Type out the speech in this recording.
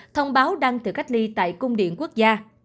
thông báo đăng tự cách ly tại cung điện quốc gia